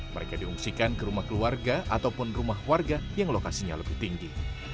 mereka diungsikan ke rumah keluarga ataupun rumah warga yang lokasinya lebih tinggi